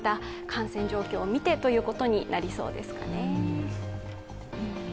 感染状況を見てということになりそうですかね。